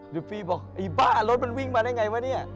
เดี๋ยวฟี่บอกไอ้บ้ารถมันวิ่งมาได้ไงวะเนี่ย